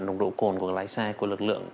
nồng độ cồn của lái xe của lực lượng